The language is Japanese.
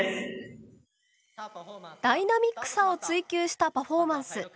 ダイナミックさを追求したパフォーマンス。